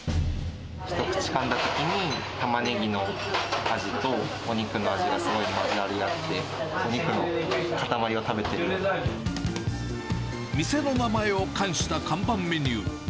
一口かんだときに、タマネギの味とお肉の味がすごいまじわり合って、お肉の塊を食べ店の名前を冠した看板メニュー。